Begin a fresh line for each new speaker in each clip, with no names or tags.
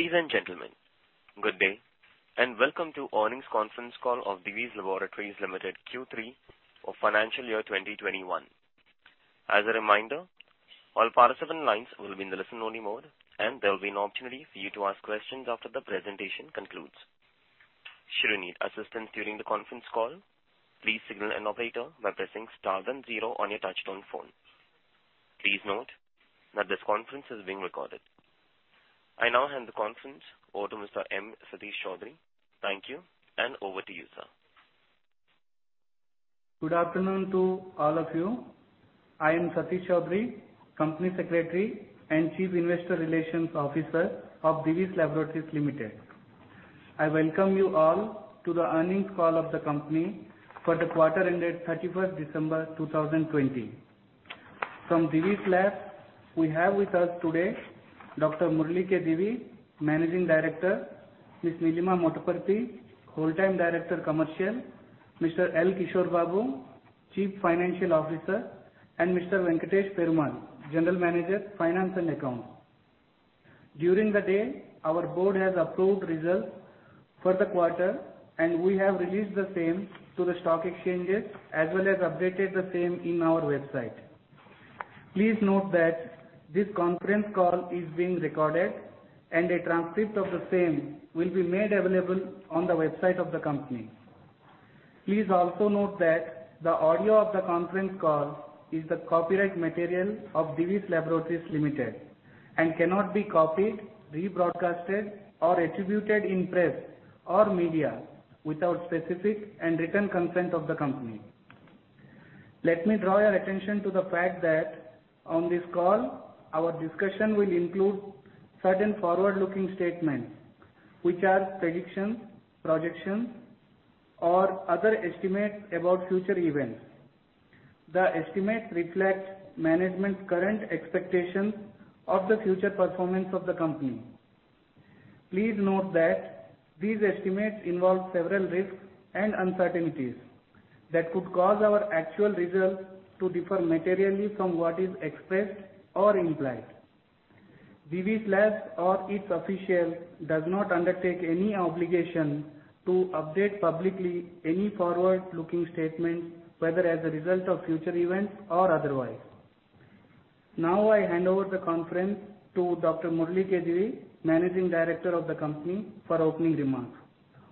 Ladies and gentlemen, good day, and welcome to Earnings Conference Call of Divi's Laboratories Limited Q3 for Financial Year 2021. As a reminder, all participant lines will be in the listen-only mode, and there will be an opportunity for you to ask questions after the presentation concludes. Should you need assistance during the conference call, please signal an operator by pressing star then zero on your touchtone phone. Please note that this conference is being recorded. I now hand the conference over to Mr. M. Satish Choudhury. Thank you, and over to you, sir.
Good afternoon to all of you. I am Satish Choudhury, Company Secretary and Chief Investor Relations Officer of Divi's Laboratories Limited. I welcome you all to the earnings call of the company for the quarter ended 31st December 2020. From Divi's Labs, we have with us today Dr. Murali K. Divi, Managing Director, Ms. Nilima Motaparti, Whole-Time Director, Commercial, Mr. L. Kishore Babu, Chief Financial Officer, and Mr. Venkatesa Perumallu, General Manager, Finance and Accounts. During the day, our board has approved results for the quarter, and we have released the same to the stock exchanges, as well as updated the same in our website. Please note that this conference call is being recorded, and a transcript of the same will be made available on the website of the company. Please also note that the audio of the conference call is the copyright material of Divi's Laboratories Limited and cannot be copied, rebroadcasted, or attributed in press or media without specific and written consent of the company. Let me draw your attention to the fact that on this call, our discussion will include certain forward-looking statements, which are predictions, projections, or other estimates about future events. The estimates reflect management's current expectations of the future performance of the company. Please note that these estimates involve several risks and uncertainties that could cause our actual results to differ materially from what is expressed or implied. Divi's Labs or its official does not undertake any obligation to update publicly any forward-looking statements, whether as a result of future events or otherwise. Now I hand over the conference to Dr. Murali Divi, managing director of the company, for opening remarks.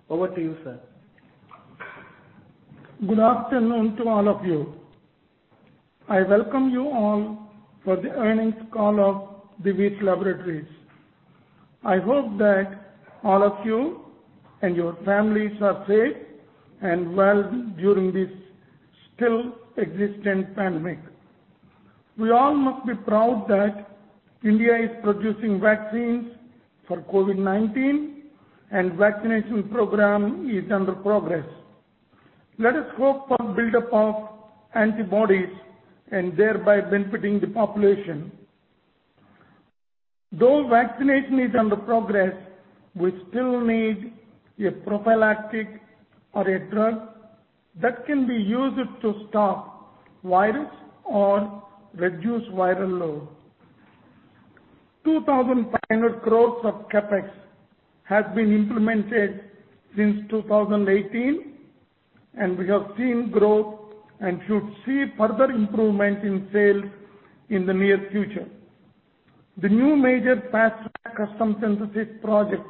Over to you, sir.
Good afternoon to all of you. I welcome you all for the earnings call of Divi's Laboratories. I hope that all of you and your families are safe and well during this still existent pandemic. We all must be proud that India is producing vaccines for COVID-19, and vaccination program is under progress. Let us hope for buildup of antibodies and thereby benefiting the population. Though vaccination is under progress, we still need a prophylactic or a drug that can be used to stop virus or reduce viral load. 2,500 crores of CapEx has been implemented since 2018, and we have seen growth and should see further improvement in sales in the near future. The new major pass track custom synthesis project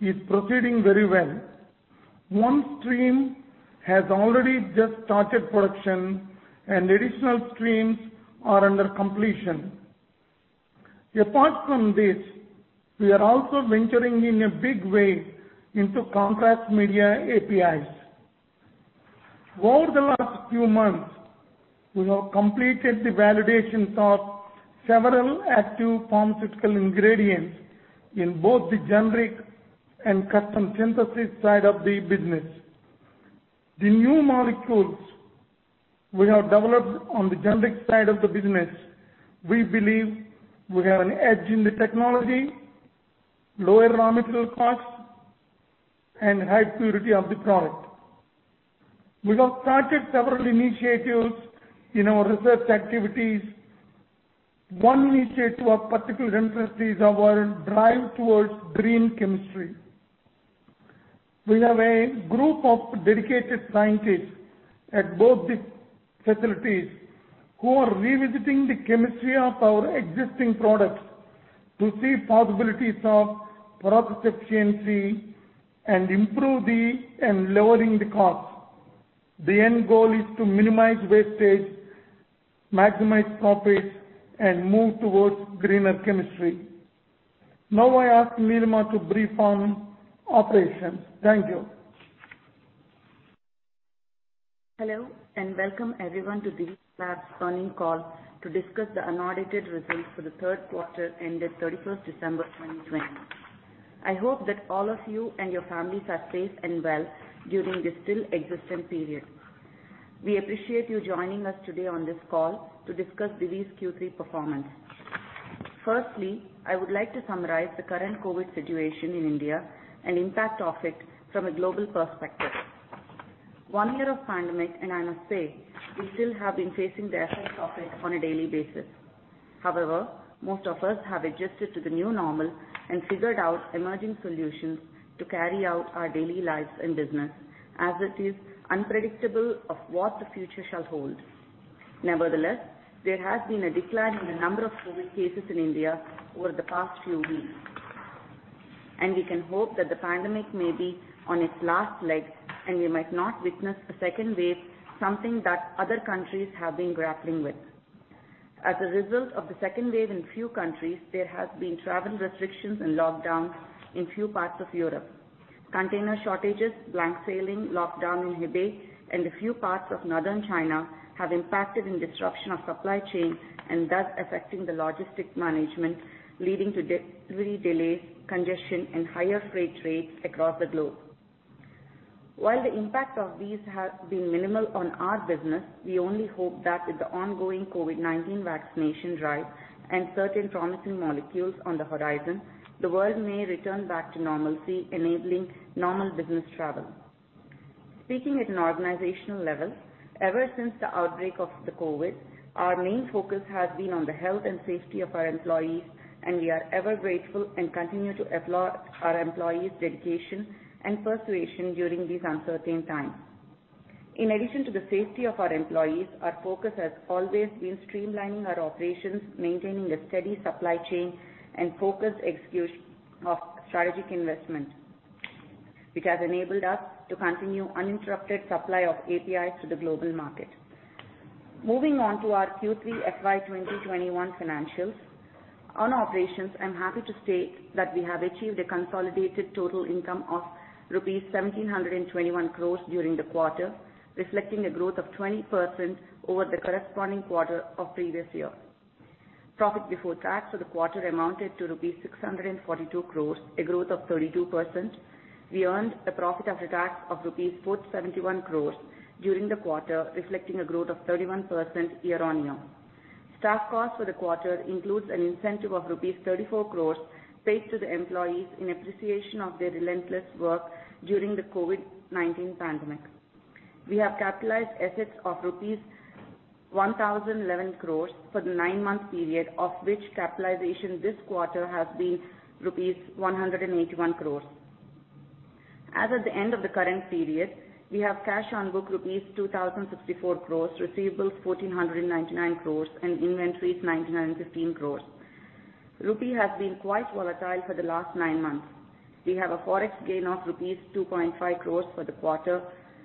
is proceeding very well. One stream has already just started production, and additional streams are under completion. Apart from this, we are also venturing in a big way into contrast media APIs. Over the last few months, we have completed the validations of several active pharmaceutical ingredients in both the generic and custom synthesis side of the business. The new molecules we have developed on the generic side of the business, we believe we have an edge in the technology, lower raw material cost, and high purity of the product. We have started several initiatives in our research activities. One initiative of particular interest is our drive towards green chemistry. We have a group of dedicated scientists at both the facilities who are revisiting the chemistry of our existing products to see possibilities of product efficiency and lowering the cost. The end goal is to minimize wastage, maximize profits, and move towards greener chemistry. I ask Nilima to brief on operations. Thank you.
Hello, welcome everyone to Divi's Labs earnings call to discuss the unaudited results for the third quarter ended 31st December 2020. I hope that all of you and your families are safe and well during this still existent period. We appreciate you joining us today on this call to discuss Divi's Q3 performance. Firstly, I would like to summarize the current COVID-19 situation in India and impact of it from a global perspective. One year of pandemic, I must say, we still have been facing the effects of it on a daily basis. However, most of us have adjusted to the new normal and figured out emerging solutions to carry out our daily lives and business, as it is unpredictable of what the future shall hold. Nevertheless, there has been a decline in the number of COVID cases in India over the past few weeks. We can hope that the pandemic may be on its last leg, and we might not witness a second wave, something that other countries have been grappling with. As a result of the second wave in few countries, there have been travel restrictions and lockdowns in few parts of Europe. Container shortages, blank sailing, lockdown in Hebei, and a few parts of Northern China have impacted in disruption of supply chain, and thus affecting the logistics management, leading to delivery delays, congestion, and higher freight rates across the globe. While the impact of these has been minimal on our business, we only hope that with the ongoing COVID-19 vaccination drive and certain promising molecules on the horizon, the world may return back to normalcy, enabling normal business travel. Speaking at an organizational level, ever since the outbreak of the COVID, our main focus has been on the health and safety of our employees, and we are ever grateful and continue to applaud our employees' dedication and perseverance during these uncertain times. In addition to the safety of our employees, our focus has always been streamlining our operations, maintaining a steady supply chain, and focused execution of strategic investment. Which has enabled us to continue uninterrupted supply of APIs to the global market. Moving on to our Q3 FY 2021 financials. On operations, I'm happy to state that we have achieved a consolidated total income of rupees 1,721 crores during the quarter, reflecting a growth of 20% over the corresponding quarter of previous year. Profit before tax for the quarter amounted to rupees 642 crores, a growth of 32%. We earned a profit after tax of rupees 471 crores during the quarter, reflecting a growth of 31% year-on-year. Staff costs for the quarter includes an incentive of rupees 34 crores paid to the employees in appreciation of their relentless work during the COVID-19 pandemic. We have capitalized assets of rupees 1,011 crores for the nine-month period, of which capitalization this quarter has been rupees 181 crores. As of the end of the current period, we have cash on book rupees 2,064 crores, receivables 1,499 crores, and inventories 915 crores. Rupee has been quite volatile for the last nine months. We have a Forex gain of rupees 2.5 crores for the quarter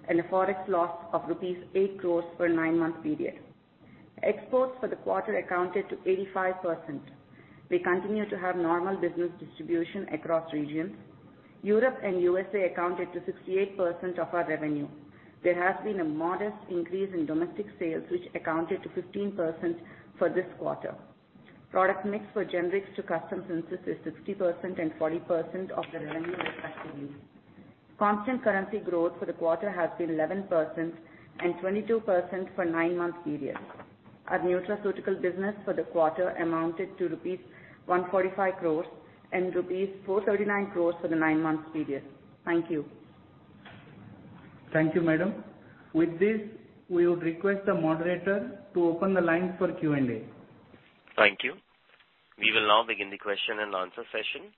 and a Forex loss of rupees 8 crores for the nine-month period. Exports for the quarter accounted to 85%. We continue to have normal business distribution across regions. Europe and USA accounted to 68% of our revenue. There has been a modest increase in domestic sales, which accounted to 15% for this quarter. Product mix for generics to custom synthesis is 60% and 40% of the revenue respectively. Constant currency growth for the quarter has been 11% and 22% for nine months period. Our nutraceuticals business for the quarter amounted to rupees 145 crores and rupees 439 crores for the nine months period. Thank you.
Thank you, madam. With this, we would request the moderator to open the line for Q&A.
Thank you. We will now begin the question and answer session.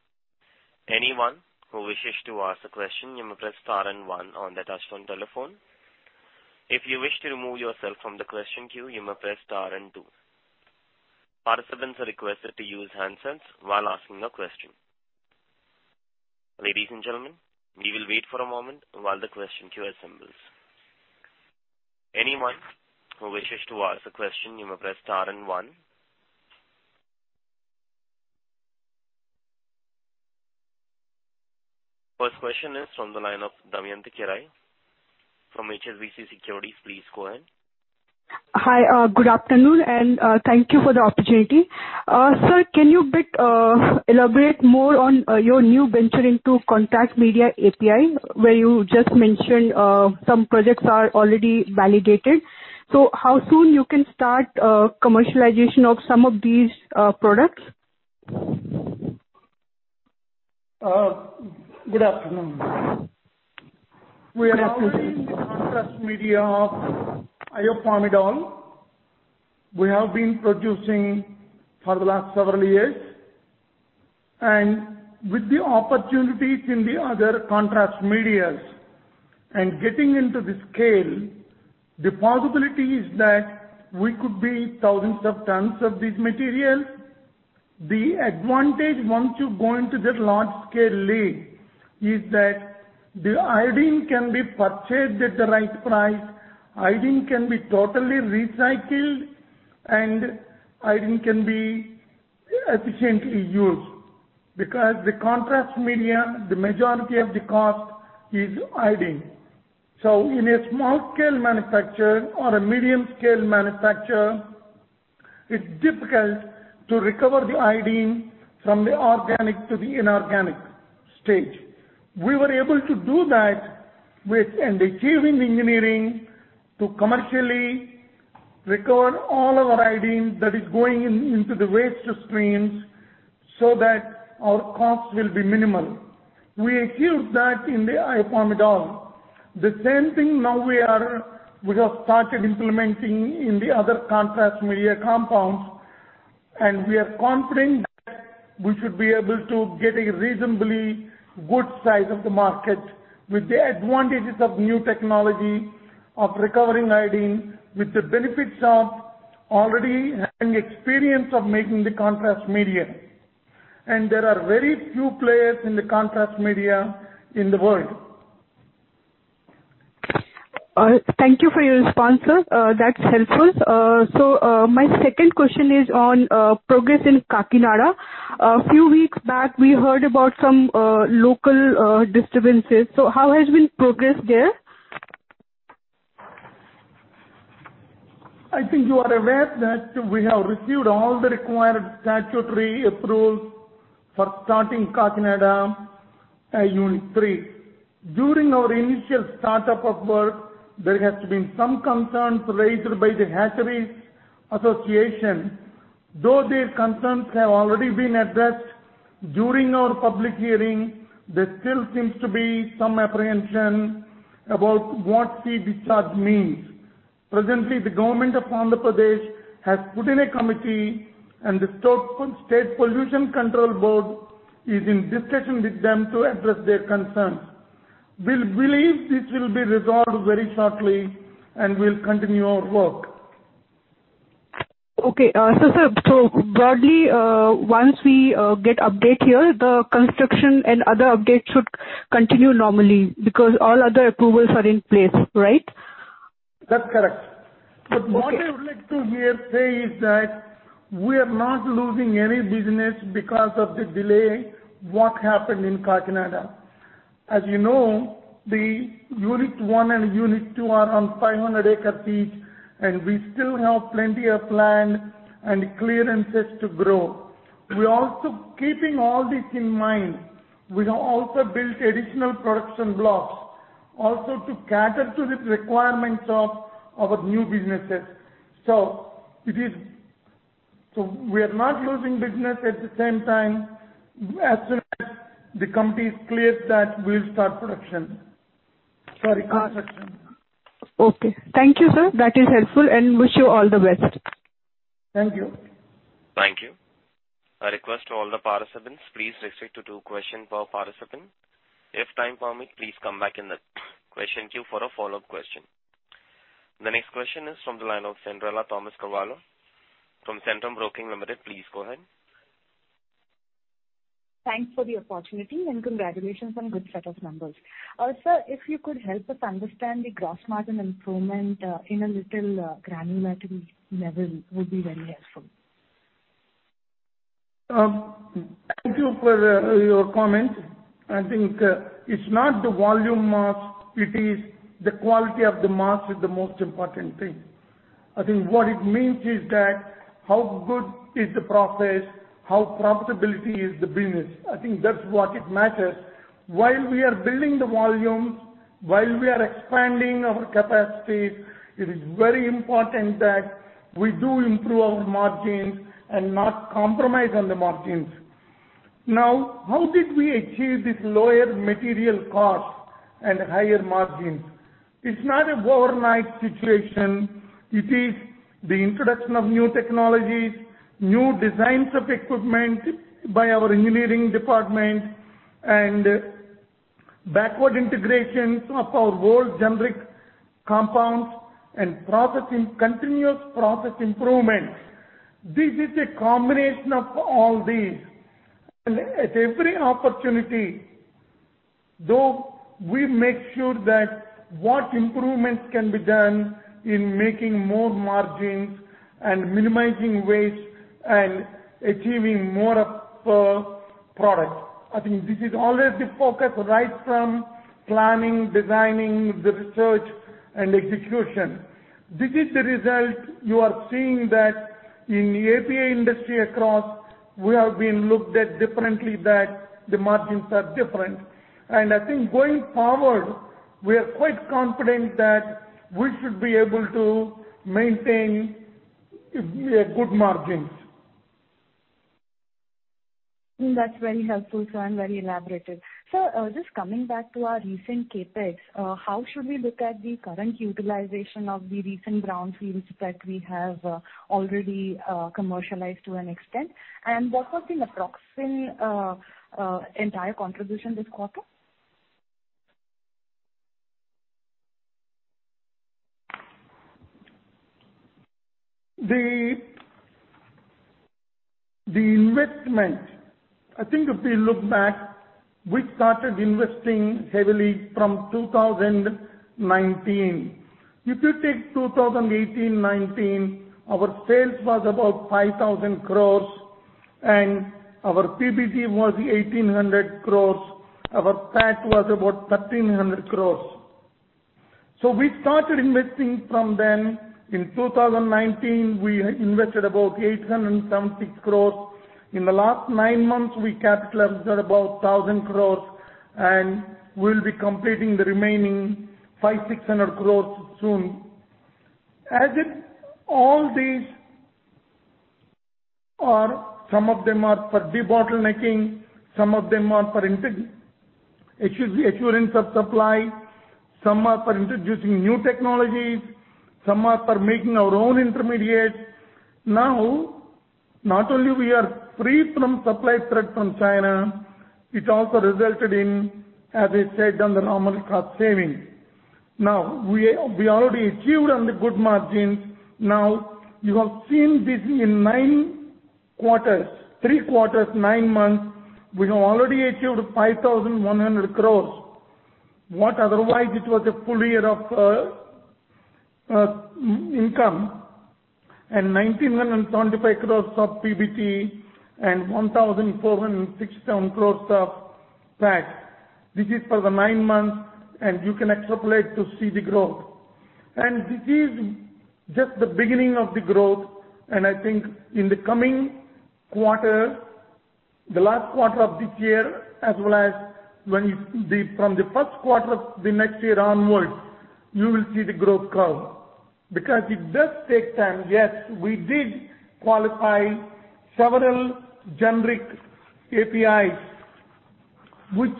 Anyone who wishes to ask a question, you may press star and one on the touchtone telephone. If you wish to remove yourself from the question queue, you may press star and two. Participants are requested to use handsets while asking a question. Ladies and gentlemen, we will wait for a moment while the question queue assembles. Anyone who wishes to ask a question, you may press star and one. First question is from the line of Damayanti Kerai from HSBC Securities. Please go ahead.
Hi. Good afternoon, and thank you for the opportunity. Sir, can you bit elaborate more on your new venture into contrast media API, where you just mentioned some projects are already validated? How soon you can start commercialization of some of these products?
Good afternoon. We are already in contrast media, iopamidol. We have been producing for the last several years. With the opportunities in the other contrast medias and getting into the scale, the possibility is that we could be thousands of tons of this material. The advantage once you go into that large scale league is that the iodine can be purchased at the right price, iodine can be totally recycled, and iodine can be efficiently used. The contrast media, the majority of the cost is iodine. In a small scale manufacture or a medium scale manufacture, it's difficult to recover the iodine from the organic to the inorganic stage. We were able to do that with an achieving engineering to commercially recover all our iodine that is going into the waste streams. So that our cost will be minimal. We achieved that in the iopamidol. The same thing now we have started implementing in the other contrast media compounds, and we are confident that we should be able to get a reasonably good size of the market with the advantages of new technology, of recovering iodine, with the benefits of already having experience of making the contrast media. There are very few players in the contrast media in the world.
Thank you for your response, sir. That's helpful. My second question is on progress in Kakinada. A few weeks back, we heard about some local disturbances. How has been progress there?
I think you are aware that we have received all the required statutory approvals for starting Kakinada Unit III. During our initial start-up of work, there has been some concerns raised by the hatcheries association. These concerns have already been addressed during our public hearing, there still seems to be some apprehension about what sea discharge means. Presently, the government of Andhra Pradesh has put in a committee, and the State Pollution Control Board is in discussion with them to address their concerns. We believe this will be resolved very shortly, and we'll continue our work.
Okay. Sir, broadly, once we get update here, the construction and other updates should continue normally because all other approvals are in place, right?
That's correct.
Okay.
What I would like to here say is that we are not losing any business because of the delay, what happened in Kakinada. As you know, the Unit I and Unit II are on 500 acres each, and we still have plenty of land and clearances to grow. We're also keeping all this in mind. We have also built additional production blocks also to cater to the requirements of our new businesses. We are not losing business. At the same time, as soon as the company is clear that we'll start production. Sorry, construction.
Okay. Thank you, sir. That is helpful, and wish you all the best.
Thank you.
Thank you. A request to all the participants, please restrict to two questions per participant. If time permits, please come back in the question queue for a follow-up question. The next question is from the line of Cyndrella Carvalho from Centrum Broking Limited. Please go ahead.
Thanks for the opportunity and congratulations on good set of numbers. Sir, if you could help us understand the gross margin improvement in a little granular level would be very helpful.
Thank you for your comment. I think it's not the volume margin, it is the quality of the margin is the most important thing. I think what it means is that how good is the process, how profitability is the business. I think that's what it matters. While we are building the volumes, while we are expanding our capacity, it is very important that we do improve our margins and not compromise on the margins. Now, how did we achieve this lower material cost and higher margins? It's not an overnight situation. It is the introduction of new technologies, new designs of equipment by our engineering department, and backward integrations of our raw generic compounds and continuous process improvements. This is a combination of all these. At every opportunity, though, we make sure that what improvements can be done in making more margins and minimizing waste and achieving more of product. I think this is always the focus, right from planning, designing, the research, and execution. This is the result you are seeing that in the API industry across, we have been looked at differently, that the margins are different. I think going forward, we are quite confident that we should be able to maintain good margins.
That's very helpful, sir, very elaborative. Sir, just coming back to our recent CapEx, how should we look at the current utilization of the recent brownfields that we have already commercialized to an extent? What has been approximate entire contribution this quarter?
The investment, I think if we look back, we started investing heavily from 2019. If you take 2018, 2019, our sales was about 5,000 crores and our PBT was 1,800 crores. Our PAT was about 1,300 crores. We started investing from then. In 2019, we invested about 876 crores. In the last nine months, we capitalized about 1,000 crores, and we'll be completing the remaining 500 crores-600 crores soon. Some of them are for debottlenecking, some of them are for assurance of supply, some are for introducing new technologies, some are for making our own intermediates. Not only we are free from supply threat from China, it also resulted in, as I said on the normal cost saving. We already achieved on the good margins. You have seen this in nine quarters. Three quarters, nine months, we have already achieved 5,100 crores. What otherwise it was a full year of income, 1,975 crores of PBT and 1,467 crores of PAT. This is for the nine months, you can extrapolate to see the growth. This is just the beginning of the growth, and I think in the coming quarter, the last quarter of this year, as well as from the first quarter of the next year onwards, you will see the growth curve. Because it does take time. Yes, we did qualify several generic APIs which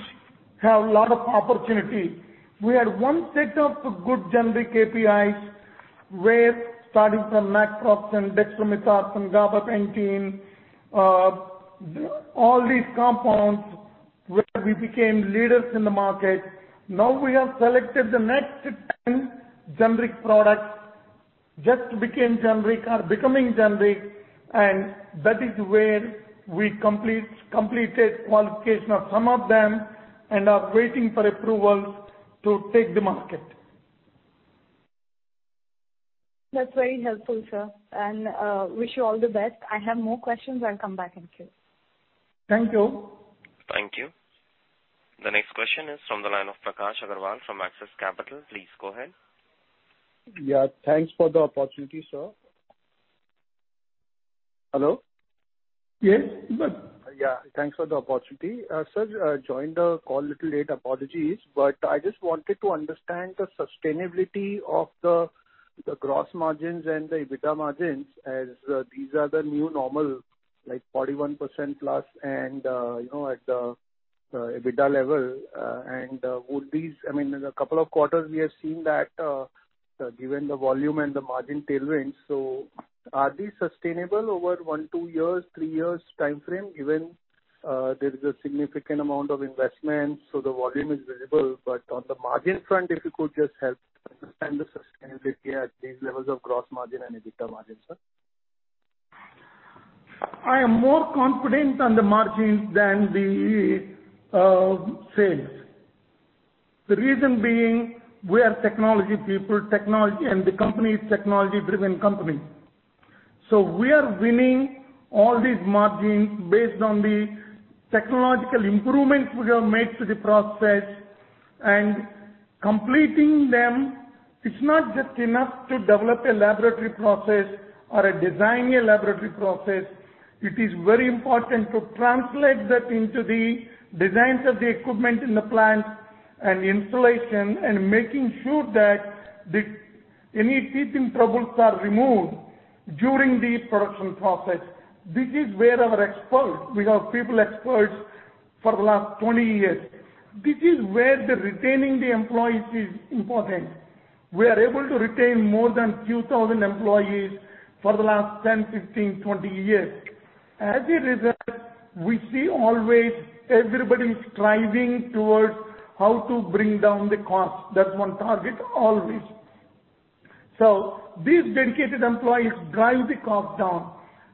have a lot of opportunity. We had one set of good generic APIs where starting from naproxen and dextromethorphan, gabapentin, all these compounds where we became leaders in the market. We have selected the next 10 generic products, just became generic or becoming generic, and that is where we completed qualification of some of them and are waiting for approvals to take the market.
That's very helpful, sir. Wish you all the best. I have more questions. I'll come back. Thank you.
Thank you.
Thank you. The next question is from the line of Prakash Agarwal from Axis Capital. Please go ahead.
Yeah. Thanks for the opportunity, sir. Hello?
Yes.
Yeah. Thanks for the opportunity. Sir, I joined the call a little late, apologies. I just wanted to understand the sustainability of the gross margins and the EBITDA margins, as these are the new normal, like 41%+ and at the EBITDA level. In a couple of quarters, we have seen that given the volume and the margin tailwinds. Are these sustainable over one, two, three years timeframe, given there is a significant amount of investment, so the volume is visible? On the margin front, if you could just help understand the sustainability at these levels of gross margin and EBITDA margin, sir.
I am more confident on the margins than the sales. The reason being, we are technology people, and the company is technology-driven company. We are winning all these margins based on the technological improvements we have made to the process and completing them. It's not just enough to develop a laboratory process or design a laboratory process. It is very important to translate that into the designs of the equipment in the plant and installation, and making sure that any teething troubles are removed during the production process. This is where our experts, we have people experts for the last 20 years. This is where retaining the employees is important. We are able to retain more than 2,000 employees for the last 10, 15, 20 years. As a result, we see always everybody striving towards how to bring down the cost. That's one target always. These dedicated employees drive the cost down,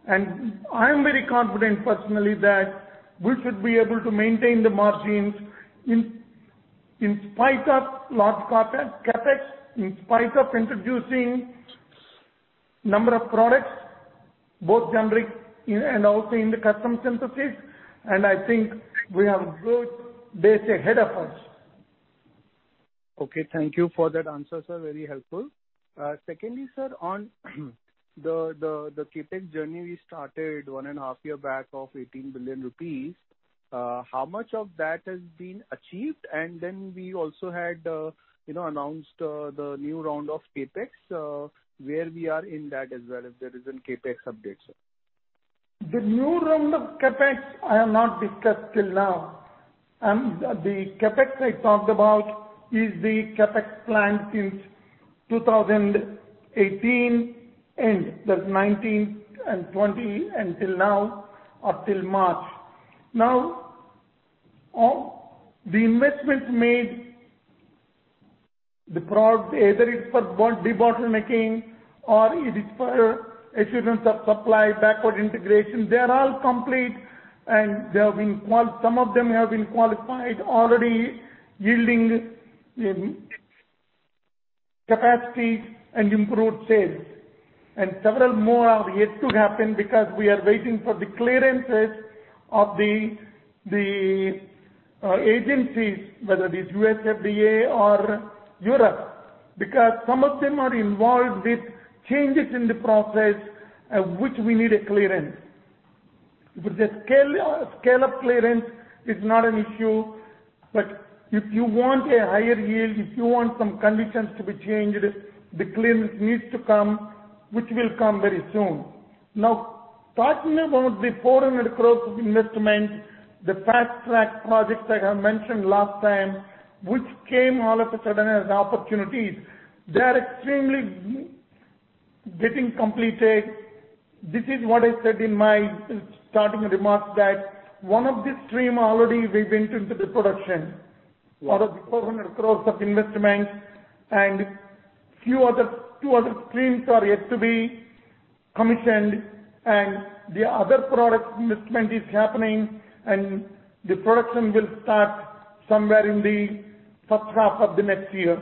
and I am very confident personally that we should be able to maintain the margins in spite of large CapEx, in spite of introducing number of products, both generic and also in the custom synthesis. I think we have good days ahead of us.
Okay. Thank you for that answer, sir. Very helpful. Secondly, sir, on the CapEx journey we started one and a half year back of 18 billion rupees. How much of that has been achieved? We also had announced the new round of CapEx, where we are in that as well, if there is any CapEx update, sir.
The new round of CapEx I have not discussed till now. The CapEx I talked about is the CapEx plan since 2018 end. That's 2019 and 2020 until now or till March. The investments made, the products, either it's for debottlenecking or it is for assurance of supply, backward integration, they're all complete, and some of them have been qualified already, yielding in capacity and improved sales. Several more are yet to happen because we are waiting for the clearances of the agencies, whether it is U.S. FDA or Europe, because some of them are involved with changes in the process, which we need a clearance. With the scale up, clearance is not an issue, but if you want a higher yield, if you want some conditions to be changed, the clearance needs to come, which will come very soon. Now talking about the INR 400 crores of investment, the fast track projects that I mentioned last time, which came all of a sudden as opportunities, they are extremely getting completed. This is what I said in my starting remarks that one of the stream already we've entered into the production out of the 400 crores of investment and few other streams are yet to be commissioned and the other product investment is happening and the production will start somewhere in the first half of the next year.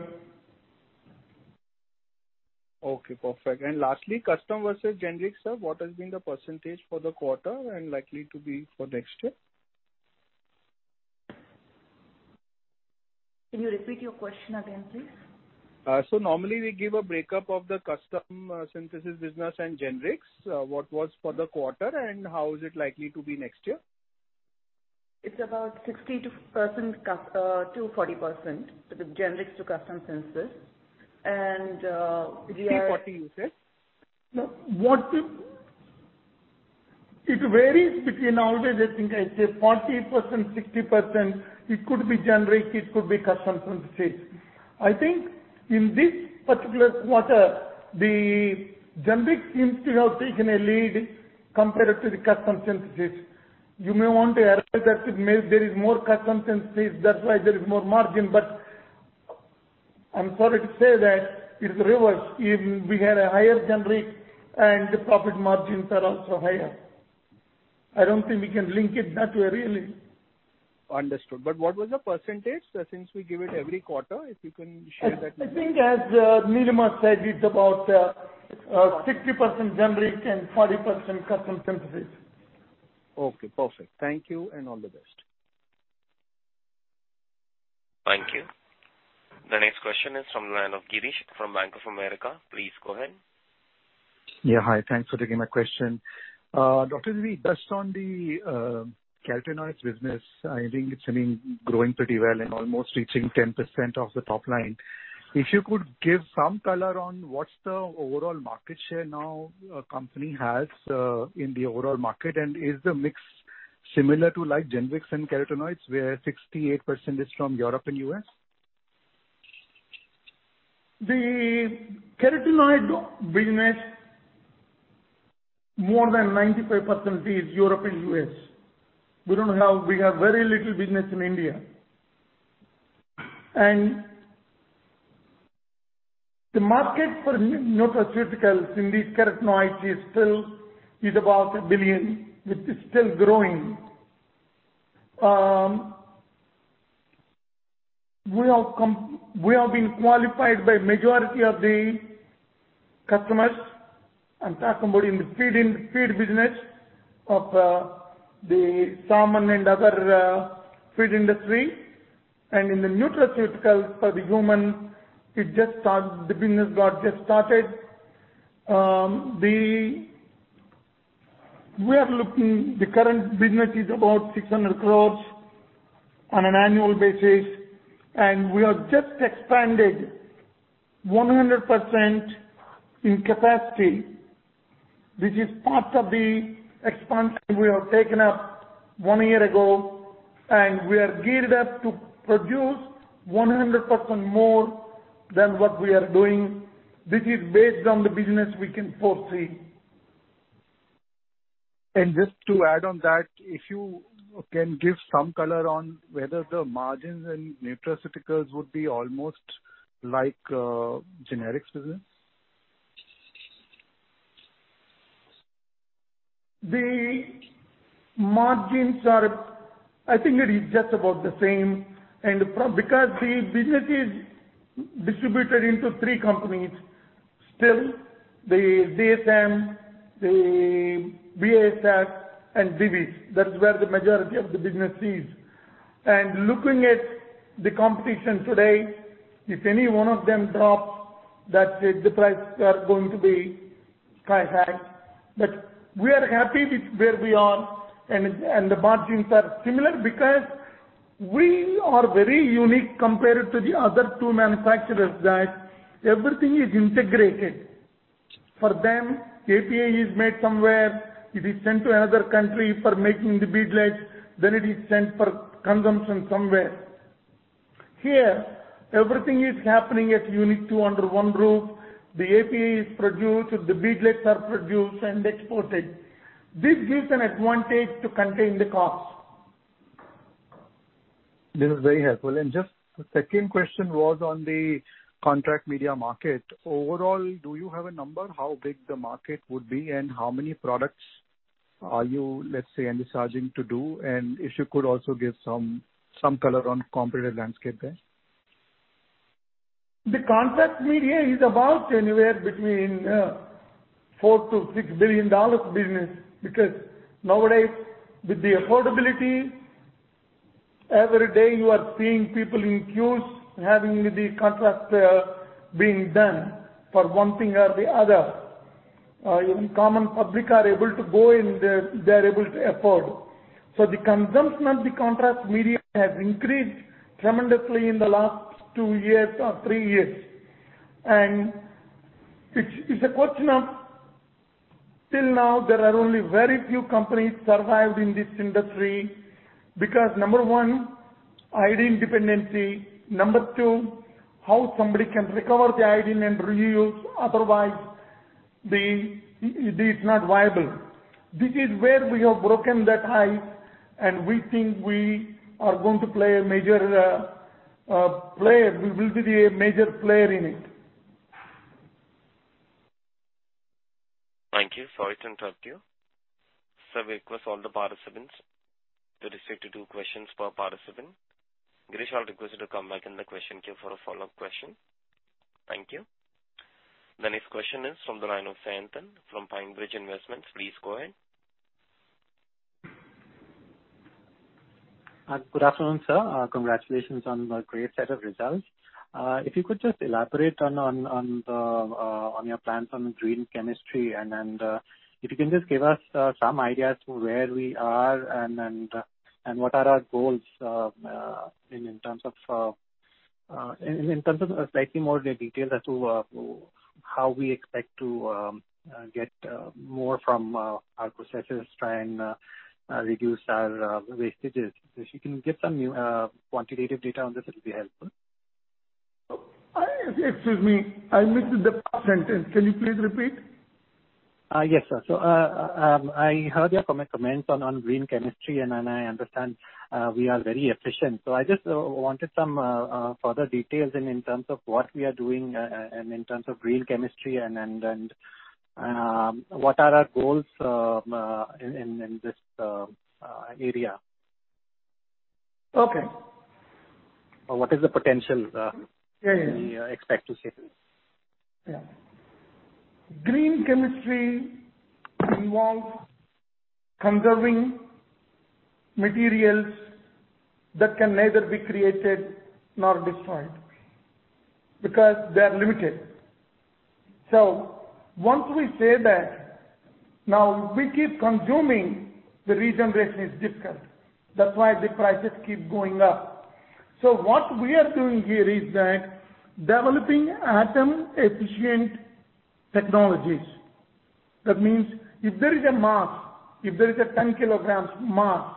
Okay, perfect. Lastly, custom versus generic, sir, what has been the percentage for the quarter and likely to be for next year?
Can you repeat your question again, please?
Normally we give a breakup of the custom synthesis business and generics. What was for the quarter and how is it likely to be next year?
It's about 60%-40%, the generics to custom synthesis.
60/40 you said. It varies between always I think I say 40%, 60%, it could be generic, it could be custom synthesis. I think in this particular quarter, the generic seems to have taken a lead compared to the custom synthesis. You may want to argue that maybe there is more custom synthesis, that's why there is more margin, but I'm sorry to say that it's reverse. We had a higher generic and the profit margins are also higher. I don't think we can link it that way really.
Understood. What was the percentage? Since we give it every quarter, if you can share that.
I think as Nilima said, it is about 60% generic and 40% custom synthesis.
Okay, perfect. Thank you and all the best.
Thank you. The next question is from the line of Girish from Bank of America. Please go ahead.
Yeah. Hi, thanks for taking my question. Dr. Divi, based on the carotenoids business, I think it's been growing pretty well and almost reaching 10% of the top line. If you could give some color on what's the overall market share now company has in the overall market, is the mix similar to generics and carotenoids where 68% is from Europe and U.S.?
The carotenoid business, more than 95% is Europe and U.S. We have very little business in India. The market for nutraceuticals in these carotenoids is about 1 billion, which is still growing. We have been qualified by majority of the customers. I'm talking about in the feed business of the salmon and other feed industry. In the nutraceuticals for the human, the business got just started. We are looking, the current business is about 600 crores on an annual basis, and we have just expanded 100% in capacity. This is part of the expansion we have taken up one year ago, and we are geared up to produce 100% more than what we are doing. This is based on the business we can foresee.
Just to add on that, if you can give some color on whether the margins in nutraceuticals would be almost like generics business.
The margins are, I think it is just about the same. Because the business is distributed into three companies still, the DSM, the BASF and Divi's. That is where the majority of the business is. Looking at the competition today, if any one of them drops that, the prices are going to be quite high. We are happy with where we are and the margins are similar because we are very unique compared to the other two manufacturers that everything is integrated. For them, API is made somewhere, it is sent to another country for making the beadlets, then it is sent for consumption somewhere. Here, everything is happening at Unit II under one roof. The API is produced, the beadlets are produced and exported. This gives an advantage to contain the cost.
This is very helpful. Just the second question was on the contrast media market. Overall, do you have a number how big the market would be and how many products are you, let's say, envisaging to do? If you could also give some color on competitive landscape there.
The contrast media is about anywhere between $4 billion-$6 billion business because nowadays with the affordability. Every day you are seeing people in queues having the contrast being done for one thing or the other. Even the common public are able to go, and they're able to afford. The consumption of the contrast medium has increased tremendously in the last two years or three years. It's a question of, till now, there are only very few companies survived in this industry because number one, iodine dependency, number two, how somebody can recover the iodine and reuse, otherwise it's not viable. This is where we have broken that ice, and we think we are going to play a major player. We will be the major player in it.
Thank you. Sorry to interrupt you. Sir, we request all the participants to restrict to two questions per participant. Girish, we request you to come back in the question queue for a follow-up question. Thank you. The next question is from the line of Sayantan from PineBridge Investments. Please go ahead.
Good afternoon, sir. Congratulations on the great set of results. If you could just elaborate on your plans on green chemistry and if you can just give us some ideas to where we are and what are our goals in terms of slightly more detail as to how we expect to get more from our processes, try and reduce our wastages. If you can give some quantitative data on this, it'll be helpful.
Excuse me, I missed the first sentence. Can you please repeat?
Yes, sir. I heard your comment on green chemistry, and I understand we are very efficient. I just wanted some further details in terms of what we are doing and in terms of green chemistry and what are our goals in this area.
Okay.
what is the potential- we expect to see?
Green chemistry involves conserving materials that can neither be created nor destroyed because they are limited. Once we say that, now we keep consuming, the regeneration is difficult. That's why the prices keep going up. What we are doing here is that developing atom efficient technologies. That means if there is a mass, if there is a 10 kg mass,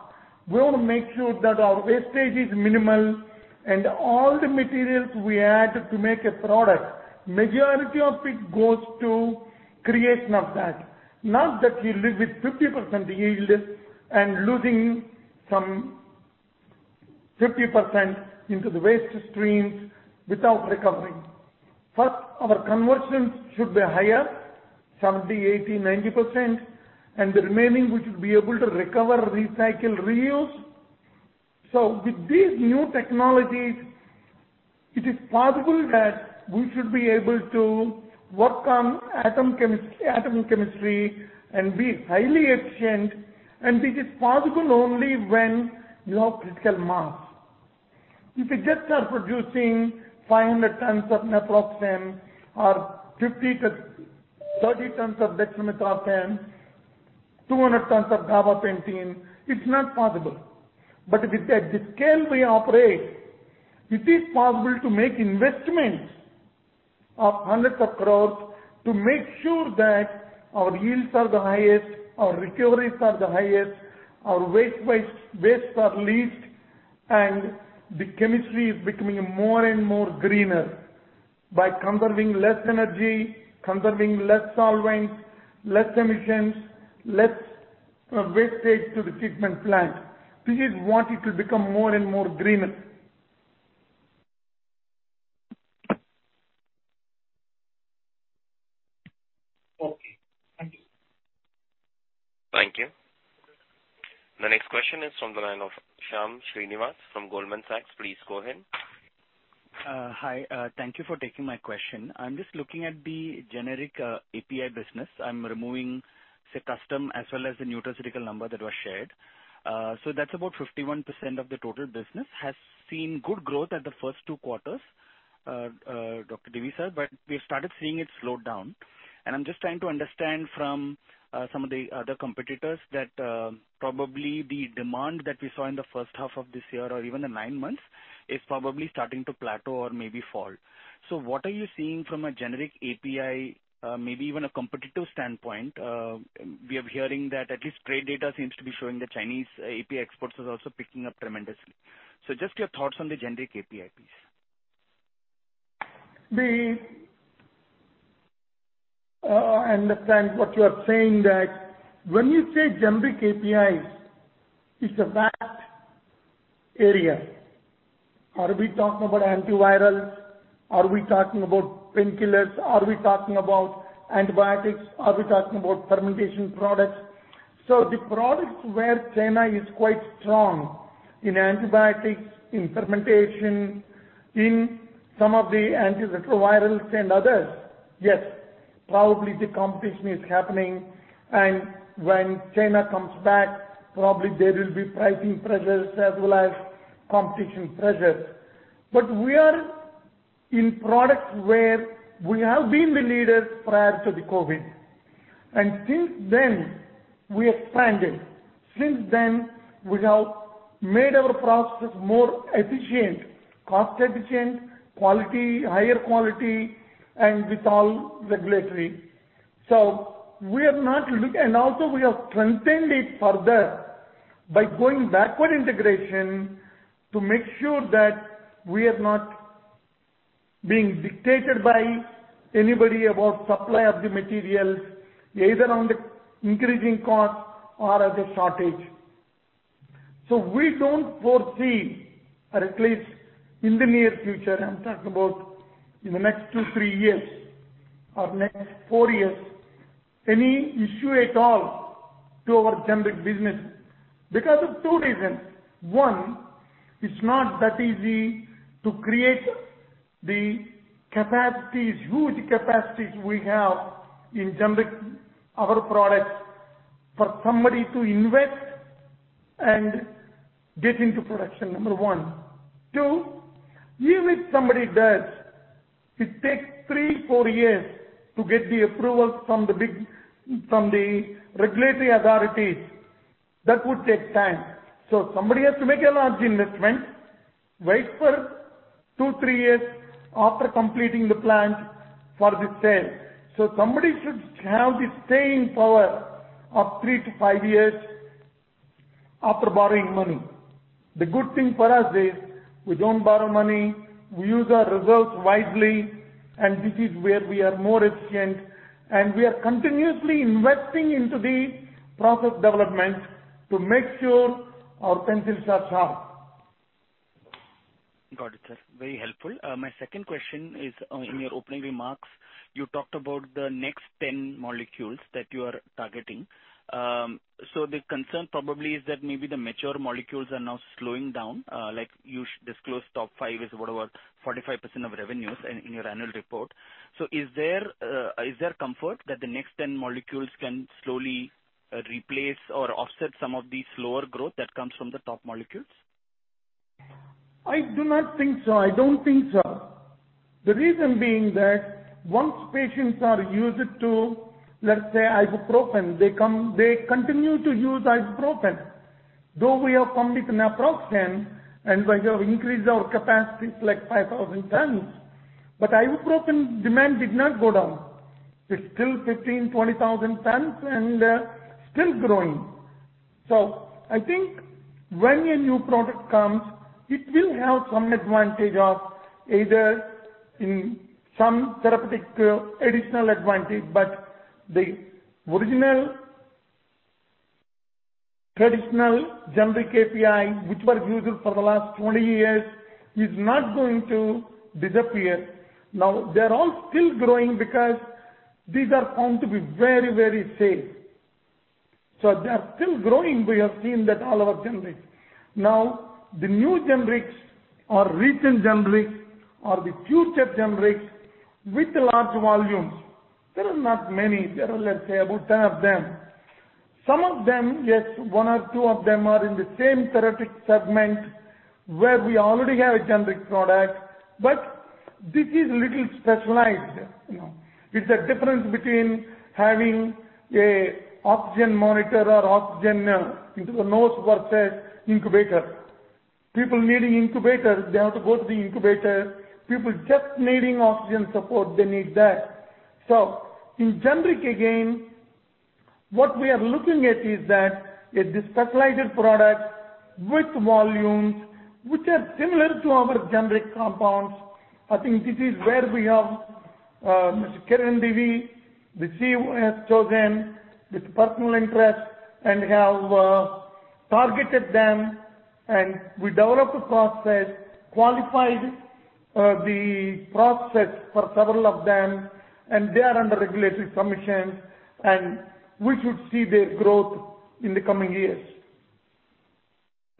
we want to make sure that our wastage is minimal and all the materials we add to make a product, majority of it goes to creation of that. Not that you live with 50% yield and losing some 50% into the waste streams without recovering. First, our conversions should be higher, 70%, 80%, 90%, and the remaining we should be able to recover, recycle, reuse. With these new technologies, it is possible that we should be able to work on atom chemistry, and be highly efficient, and this is possible only when you have critical mass. If you just are producing 500 tons of naproxen or 50-30 tons of dextromethorphan, 200 tons of gabapentin, it's not possible. With the scale we operate, it is possible to make investments of hundreds of crores to make sure that our yields are the highest, our recoveries are the highest, our wastes are least, and the chemistry is becoming more and more greener by conserving less energy, conserving less solvents, less emissions, less wastage to the treatment plant. This is what it will become more and more greener.
Okay. Thank you.
Thank you. The next question is from the line of Shyam Srinivasan from Goldman Sachs. Please go ahead.
Hi. Thank you for taking my question. I'm just looking at the generic API business. I'm removing, say, custom as well as the nutraceutical number that was shared. That's about 51% of the total business has seen good growth at the first two quarters, Dr. Divi, sir, but we started seeing it slow down. I'm just trying to understand from some of the other competitors that probably the demand that we saw in the first half of this year or even the nine months is probably starting to plateau or maybe fall. What are you seeing from a generic API, maybe even a competitive standpoint? We are hearing that at least trade data seems to be showing the Chinese API exports is also picking up tremendously. Just your thoughts on the generic API, please.
I understand what you are saying that when you say generic APIs, it's a vast area. Are we talking about antivirals? Are we talking about painkillers? Are we talking about antibiotics? Are we talking about fermentation products? The products where China is quite strong in antibiotics, in fermentation, in some of the antiretrovirals and others, yes. Probably the competition is happening, and when China comes back, probably there will be pricing pressures as well as competition pressures. We are in products where we have been the leaders prior to the COVID. Since then, we expanded. Since then, we have made our processes more efficient, cost-efficient, higher quality, and with all regulatory. Also we have strengthened it further by going backward integration to make sure that we are not being dictated by anybody about supply of the materials, either on the increasing cost or of the shortage. We don't foresee, at least in the near future, I'm talking about in the next two, three years, or next four years, any issue at all to our generic business because of two reasons. One, it's not that easy to create the huge capacities we have in generic, our products, for somebody to invest and get into production, number one. Two, even if somebody does, it takes three, four years to get the approvals from the regulatory authorities. That would take time. Somebody has to make a large investment, wait for two, three years after completing the plant for the sale. Somebody should have the staying power of three to five years after borrowing money. The good thing for us is we don't borrow money. We use our results wisely, and this is where we are more efficient, and we are continuously investing into the process development to make sure our pencils are sharp.
Got it, sir. Very helpful. My second question is, in your opening remarks, you talked about the next 10 molecules that you are targeting. The concern probably is that maybe the mature molecules are now slowing down. Like you disclosed top five is whatever, 45% of revenues in your annual report. Is there comfort that the next 10 molecules can slowly replace or offset some of the slower growth that comes from the top molecules?
I do not think so. I don't think so. The reason being that once patients are used to, let's say, ibuprofen, they continue to use ibuprofen. We have come with naproxen, and we have increased our capacities like 5,000 tons, ibuprofen demand did not go down. It's still 15,000, 20,000 tons and still growing. I think when a new product comes, it will have some advantage of either some therapeutic additional advantage, the original, traditional generic API, which was used for the last 20 years, is not going to disappear. They're all still growing because these are found to be very safe. They are still growing. We have seen that all over generic. The new generics or recent generics or the future generics with large volumes, there are not many. There are, let's say, about 10 of them. Some of them, yes, one or two of them are in the same therapeutic segment where we already have a generic product, but this is little specialized. It's a difference between having a oxygen monitor or oxygen into the nose versus incubator. People needing incubator, they have to go to the incubator. People just needing oxygen support, they need that. In generic again, what we are looking at is that it is specialized product with volumes which are similar to our generic compounds. I think this is where we have Mr. Kiran Divi, the CEO, has chosen with personal interest and have targeted them, and we developed a process, qualified the process for several of them, and they are under regulatory submissions, and we should see their growth in the coming years,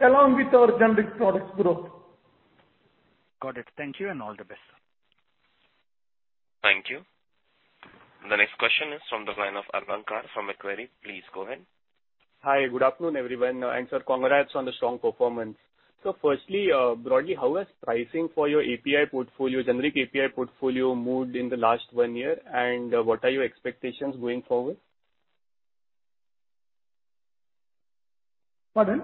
along with our generic products growth.
Got it. Thank you, and all the best, sir.
Thank you. The next question is from the line of Arman Khan from Macquarie. Please go ahead.
Hi. Good afternoon, everyone. Sir, congrats on the strong performance. Firstly, broadly, how has pricing for your generic API portfolio moved in the last one year, and what are your expectations going forward?
Pardon?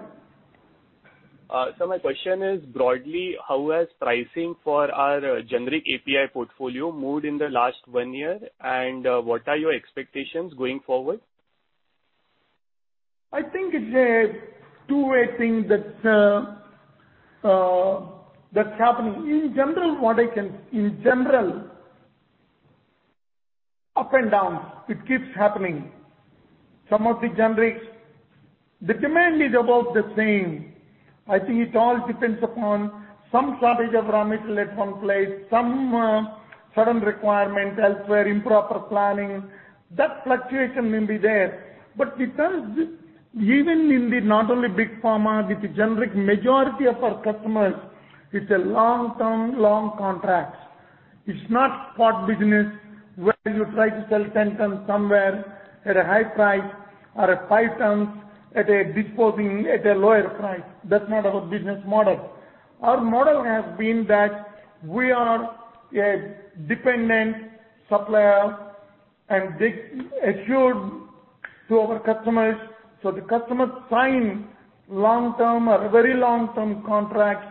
Sir, my question is, broadly, how has pricing for our generic API portfolio moved in the last one year, and what are your expectations going forward?
I think it's a two-way thing that's happening. In general, up and down, it keeps happening. Some of the generics, the demand is about the same. I think it all depends upon some shortage of raw material at one place, some sudden requirement elsewhere, improper planning. That fluctuation may be there. Because even in the not only Big Pharma, with the generic, majority of our customers. It's a long-term, long contract. It's not spot business where you try to sell 10 tons somewhere at a high price or five tons at a lower price. That's not our business model. Our model has been that we are a dependent supplier and assured to our customers. The customers sign long-term or very long-term contracts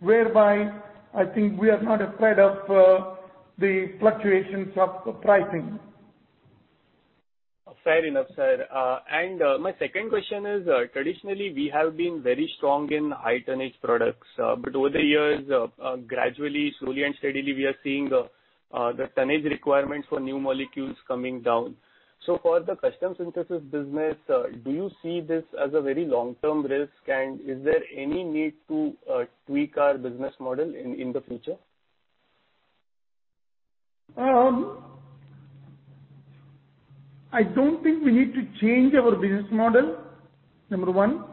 whereby I think we are not afraid of the fluctuations of pricing.
Fair enough, sir. My second question is, traditionally, we have been very strong in high tonnage products, but over the years, gradually, slowly, and steadily, we are seeing the tonnage requirements for new molecules coming down. For the custom synthesis business, do you see this as a very long-term risk? Is there any need to tweak our business model in the future?
I don't think we need to change our business model, number one.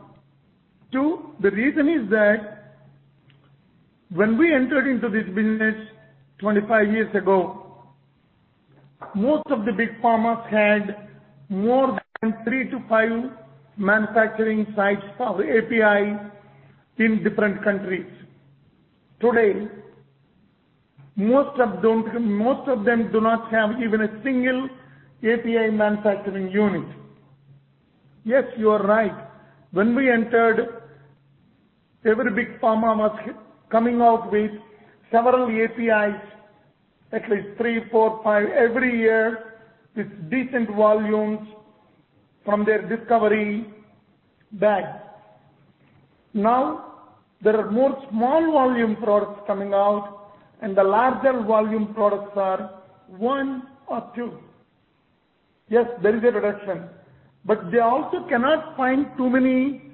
Two, the reason is that when we entered into this business 25 years ago, most of the Big Pharma had more than three to five manufacturing sites for API in different countries. Today, most of them do not have even a single API manufacturing unit. Yes, you are right. When we entered, every Big Pharma was coming out with several APIs, at least three, four, five every year with decent volumes from their discovery bags. Now, there are more small volume products coming out, and the larger volume products are one or two. Yes, there is a reduction, but they also cannot find too many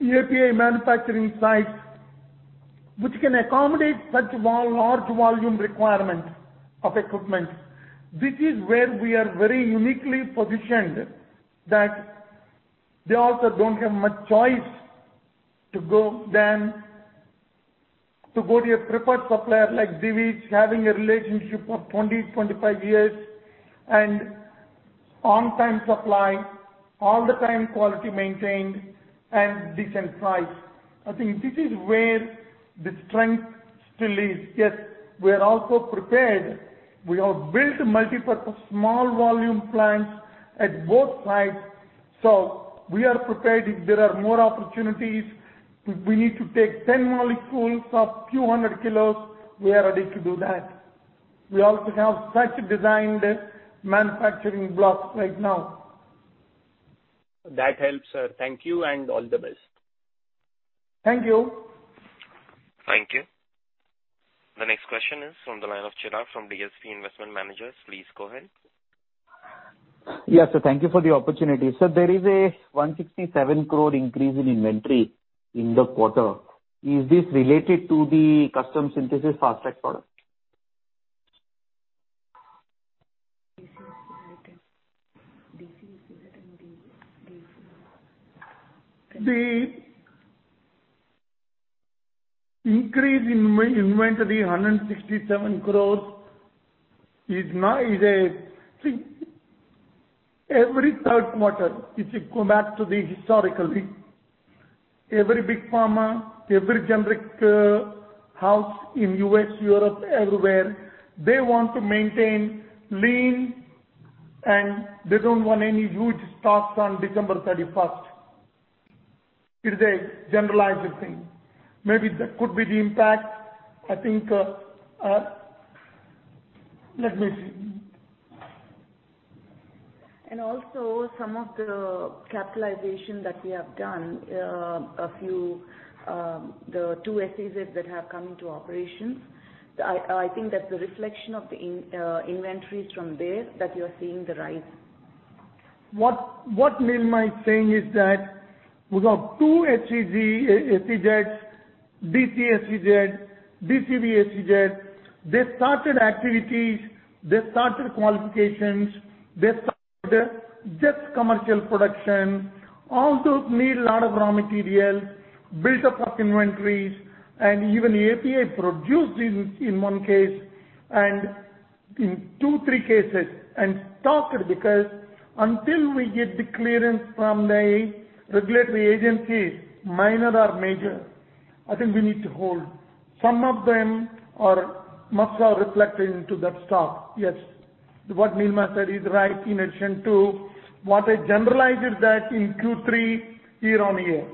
API manufacturing sites which can accommodate such large volume requirement of equipment. This is where we are very uniquely positioned, that they also don't have much choice than to go to a preferred supplier like Divi's, having a relationship of 20, 25 years, and on-time supply, all the time quality maintained, and decent price. I think this is where the strength still is. Yes, we are also prepared. We have built multiple small volume plants at both sites. We are prepared if there are more opportunities. If we need to take 10 molecules of a few hundred kilos, we are ready to do that. We also have such designed manufacturing blocks right now.
That helps, sir. Thank you and all the best.
Thank you.
Thank you. The next question is on the line of Chirag from DSP Investment Managers. Please go ahead.
Yes, sir. Thank you for the opportunity. Sir, there is a 167 crore increase in inventory in the quarter. Is this related to the custom synthesis Fast Track product?
The increase in inventory, 167 crores, every third quarter, if you go back historically, every Big Pharma, every generic house in U.S., Europe, everywhere, they want to maintain lean, and they don't want any huge stocks on December 31st. It is a generalized thing. Maybe that could be the impact. I think, let me see.
Also some of the capitalization that we have done, the two SEZs that have come into operations. I think that's a reflection of the inventories from there that you're seeing the rise.
What Nilima is saying is that we got two SEZs, DCA SEZ, DCV SEZ. They started activities, they started qualifications, they started just commercial production. All those need lot of raw materials, build-up of inventories, and even API produced in one case, and in two, three cases, and stocked because until we get the clearance from the regulatory agencies, minor or major, I think we need to hold. Some of them must have reflected into that stock. Yes. What Nilima said is right in addition to what I generalized is that in Q3 year-over-year.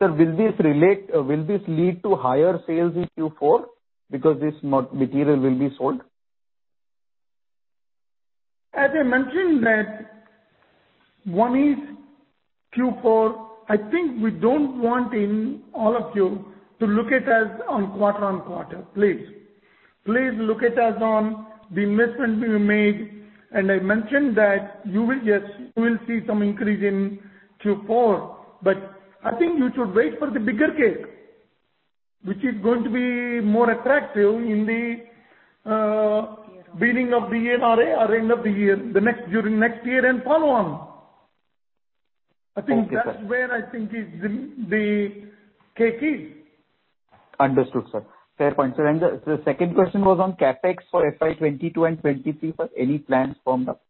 Sir, will this lead to higher sales in Q4 because this material will be sold?
As I mentioned that one is Q4, I think we don't want all of you to look at us on quarter-on-quarter, please. Please look at us on the investments we made, and I mentioned that you will see some increase in Q4, but I think you should wait for the bigger cake, which is going to be more attractive in the beginning of the year or end of the year, during next year and follow on. I think that's where I think the cake is.
Understood, sir. Fair point, sir. The second question was on CapEx for FY 2022 and FY 2023, sir. Any plans from that?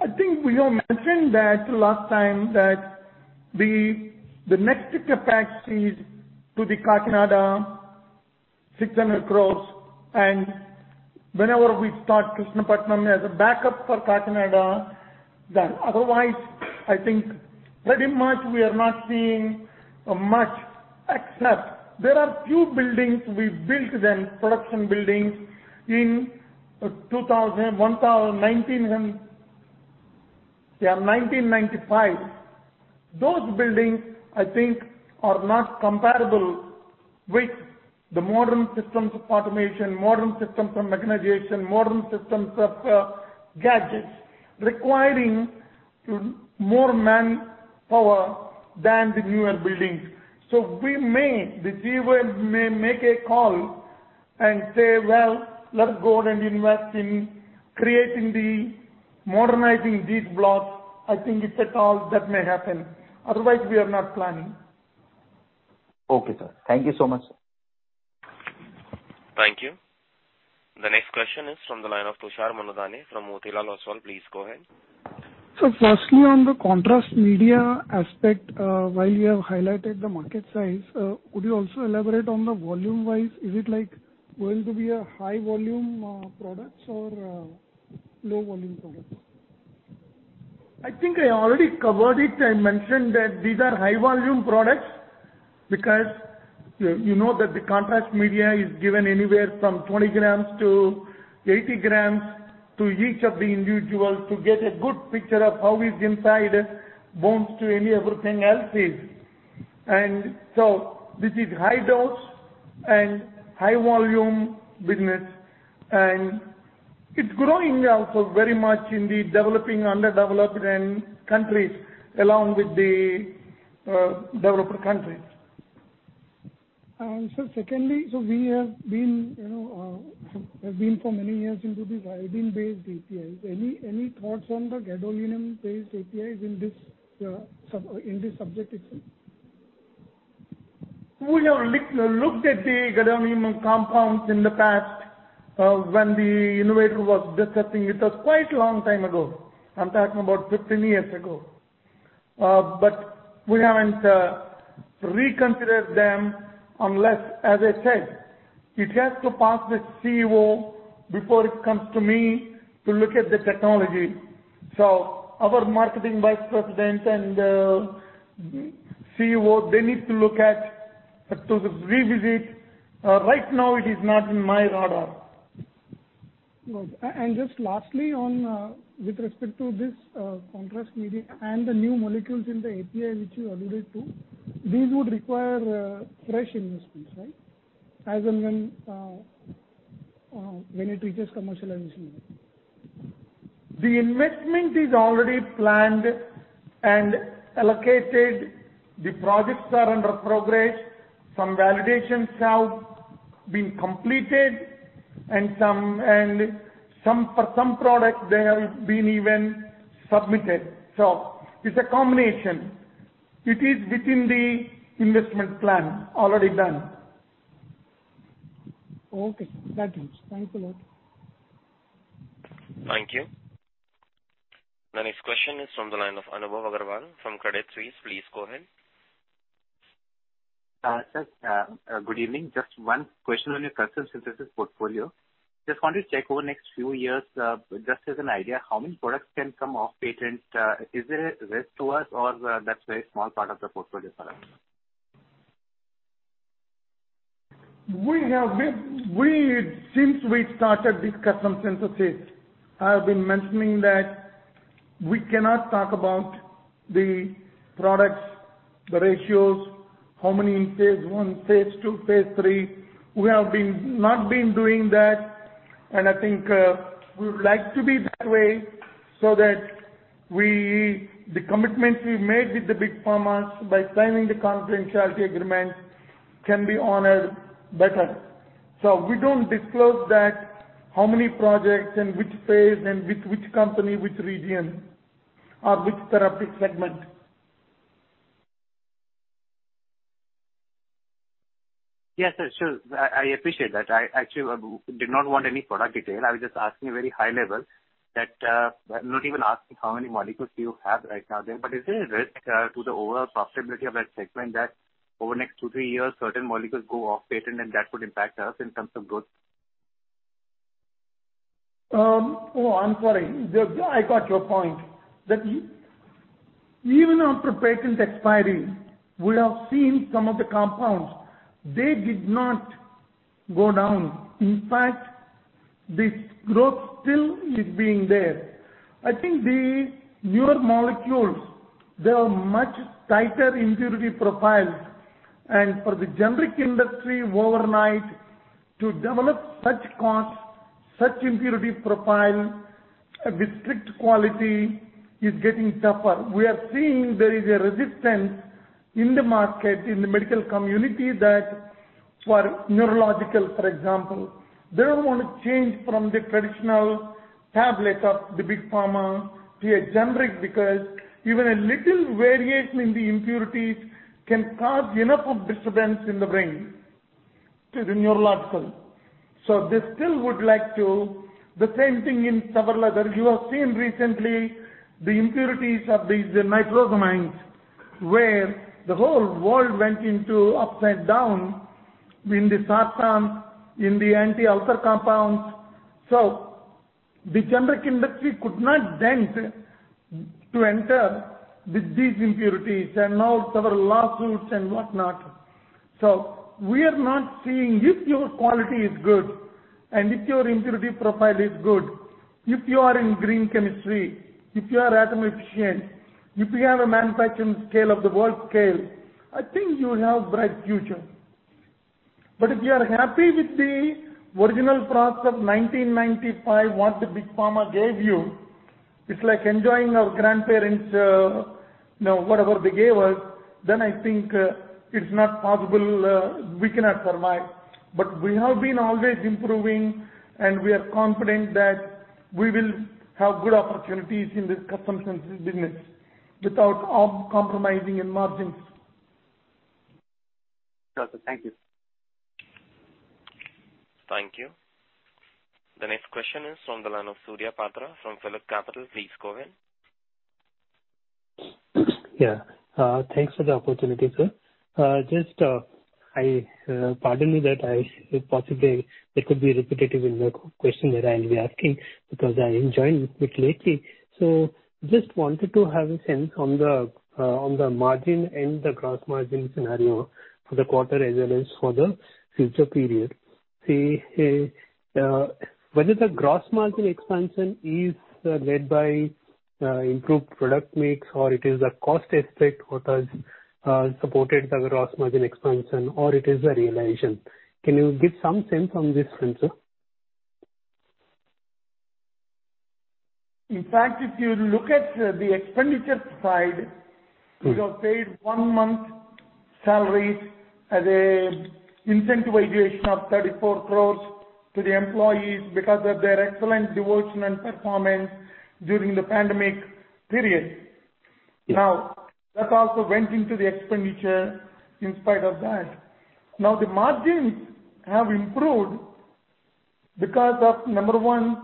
I think we have mentioned that last time that the next CapEx is to the Kakinada, 600 crores, and whenever we start Krishnagiri as a backup for Kakinada. I think pretty much we are not seeing much, except there are few buildings we built, production buildings, in 1995. Those buildings, I think, are not comparable with the modern systems of automation, modern systems of mechanization, modern systems of gadgets, requiring more manpower than the newer buildings. We may, the CEO may make a call and say, "Well, let's go and invest in modernizing these blocks." I think it's a call that may happen. We are not planning.
Okay, sir. Thank you so much.
Thank you. The next question is from the line of Tushar Manudhane from Motilal Oswal. Please go ahead.
Sir, firstly, on the contrast media aspect, while you have highlighted the market size, could you also elaborate on the volume-wise? Is it going to be a high volume products or low volume products?
I think I already covered it. I mentioned that these are high volume products because you know that the contrast media is given anywhere from 20 g-80 g to each of the individuals to get a good picture of how his inside bones to any everything else is. This is high dose and high volume business, and it's growing also very much in the developing, underdeveloped countries, along with the developed countries.
Sir, secondly, we have been for many years into the iodine-based APIs. Any thoughts on the gadolinium-based APIs in this subject?
We have looked at the gadolinium compounds in the past when the innovator was discussing. It was quite a long time ago. I'm talking about 15 years ago. We haven't reconsidered them unless, as I said, it has to pass the CEO before it comes to me to look at the technology. Our marketing vice president and CEO, they need to look at to revisit. Right now, it is not in my radar.
Just lastly, with respect to this contrast media and the new molecules in the API which you alluded to, these would require fresh investments, right? When it reaches commercialization.
The investment is already planned and allocated. The projects are under progress. Some validations have been completed and for some products, they have been even submitted. It's a combination. It is within the investment plan, already done.
Okay. That helps. Thanks a lot.
Thank you. The next question is from the line of Anubhav Agarwal from Credit Suisse. Please go ahead.
Sir, good evening. Just one question on your custom synthesis portfolio. Just wanted to check over the next few years, just as an idea, how many products can come off patent? Is there a risk to us or that's a very small part of the portfolio, sir?
Since we started this custom synthesis, I have been mentioning that we cannot talk about the products, the ratios, how many in phase I, phase II, phase III. We have not been doing that, and I think we would like to be that way so that the commitments we've made with the Big Pharma by signing the confidentiality agreements can be honored better. We don't disclose that, how many projects in which phase and with which company, which region, or which therapeutic segment.
Yes, sir. Sure. I appreciate that. I actually did not want any product detail. I was just asking a very high level that, I'm not even asking how many molecules do you have right now there, but is there a risk to the overall profitability of that segment that over the next two, three years, certain molecules go off patent and that would impact us in terms of growth?
Oh, I'm sorry. I got your point. That even after patent expiry, we have seen some of the compounds. They did not go down. In fact, this growth still is being there. I think the newer molecules, they have much tighter impurity profiles. For the generic industry, overnight, to develop such cost, such impurity profile with strict quality is getting tougher. We are seeing there is a resistance in the market, in the medical community that, for neurological, for example, they don't want to change from the traditional tablet of the Big Pharma to a generic, because even a little variation in the impurities can cause enough of disturbance in the brain to the neurological. They still would like to. The same thing in several others. You have seen recently the impurities of these, the nitrosamines, where the whole world went into upside down in the sartan, in the anti-ulcer compounds. The generic industry could not then to enter with these impurities and now several lawsuits and whatnot. We are not seeing if your quality is good and if your impurity profile is good, if you are in green chemistry, if you are atom efficient, if you have a manufacturing scale of the world scale, I think you'll have bright future. If you are happy with the original process, 1995, what the Big Pharma gave you, it's like enjoying our grandparents', whatever they gave us, then I think it's not possible. We cannot survive. We have been always improving, and we are confident that we will have good opportunities in this custom synthesis business without compromising in margins.
Got it. Thank you.
Thank you. The next question is from the line of Surya Patra from PhillipCapital. Please go ahead.
Thanks for the opportunity, sir. Pardon me that I possibly it could be repetitive in the question that I'll be asking because I joined bit lately. Just wanted to have a sense on the margin and the gross margin scenario for the quarter as well as for the future period. Whether the gross margin expansion is led by improved product mix or it is a cost aspect what has supported the gross margin expansion or it is a realization. Can you give some sense on this front, sir?
If you look at the expenditure side. We have paid one month salaries as a incentivization of 34 crores to the employees because of their excellent devotion and performance during the pandemic period. That also went into the expenditure in spite of that. The margins have improved because of, number one,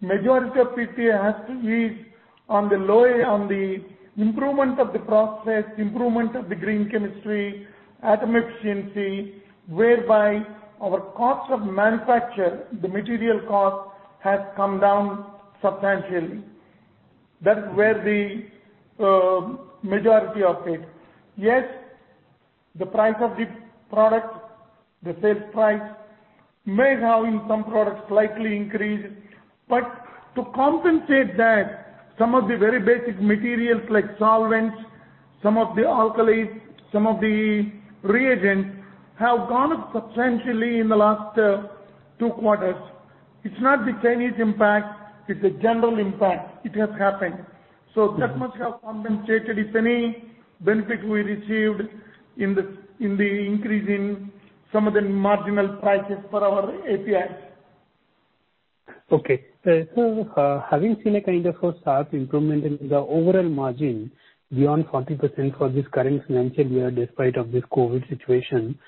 majority of PTA has to be on the improvement of the process, improvement of the green chemistry, atom efficiency, whereby our cost of manufacture, the material cost has come down substantially. That's where the majority of it. Yes, the price of the product, the sales price, may have in some products slightly increased. To compensate that, some of the very basic materials like solvents, some of the alkalis, some of the reagents, have gone up substantially in the last two quarters. It's not the Chinese impact, it's a general impact. It has happened. That much have compensated, if any benefit we received in the increase in some of the marginal prices for our API.
Okay, Sir, having seen a kind of a sharp improvement in the overall margin beyond 40% for this current financial year despite of this COVID situation.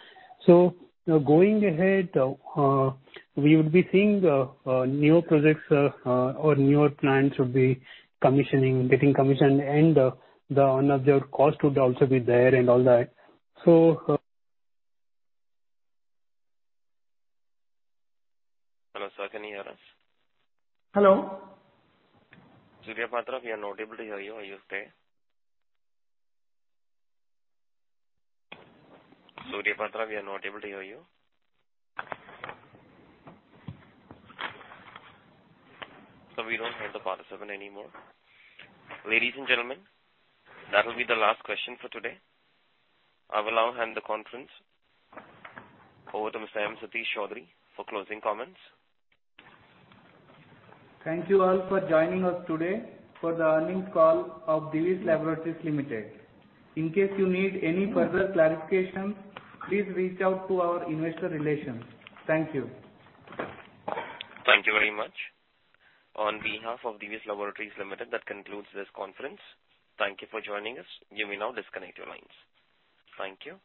Going ahead, we would be seeing newer projects or newer plants would be getting commissioned and their cost would also be there and all that.
Hello, sir, can you hear us?
Hello.
Surya Patra, we are not able to hear you. Are you there? Surya Patra, we are not able to hear you. We don't have Patra anymore. Ladies and gentlemen, that will be the last question for today. I will now hand the conference over to Mr. Satish Choudhury for closing comments.
Thank you all for joining us today for the earnings call of Divi's Laboratories Limited. In case you need any further clarification, please reach out to our investor relations. Thank you.
Thank you very much. On behalf of Divi's Laboratories Limited, that concludes this conference. Thank you for joining us. You may now disconnect your lines. Thank you.